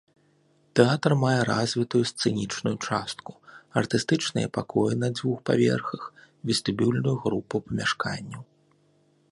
Тэатр мае развітую сцэнічную частку, артыстычныя пакоі на двух паверхах, вестыбюльную групу памяшканняў.